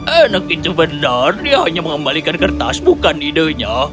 anak itu benar dia hanya mengembalikan kertas bukan idenya